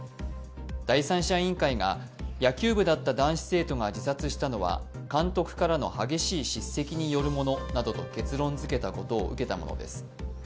第三者委員会が、野球部だった男子生徒が自殺したのは監督からの激しい叱責によるものなどと結論づけたことを受けたものです。